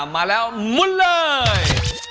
มาแล้วมุนเลย